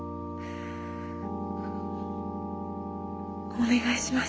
お願いします